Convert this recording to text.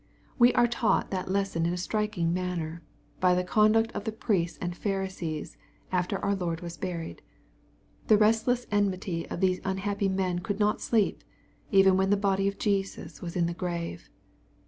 We are taught that lesson in a striking manner, by the conduct of the priests and Pharisees, after our Lord was buried. The restless enmity of these unhappy men could not sleep, even when the body of Jesus was in the grave.